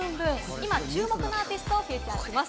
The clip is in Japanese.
今注目のアーティストをご紹介します。